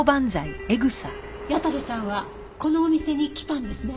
矢田部さんはこのお店に来たんですね？